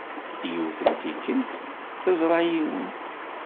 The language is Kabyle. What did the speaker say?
Yiwet n tikkelt, teẓra yiwen.